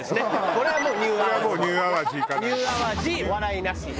これはもうニューアワジ。